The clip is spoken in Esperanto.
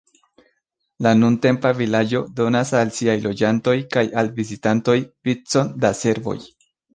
La nuntempa vilaĝo donas al siaj loĝantoj kaj al vizitantoj vicon da servoj.